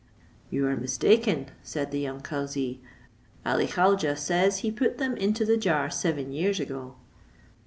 "You are mistaken," said the young cauzee; "Ali Khaujeh says he put them into the jar seven years ago."